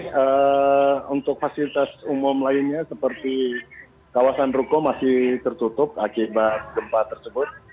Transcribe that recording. tapi untuk fasilitas umum lainnya seperti kawasan ruko masih tertutup akibat gempa tersebut